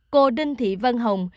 cô đinh thị vân hồng